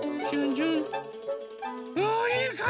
あいいかんじね！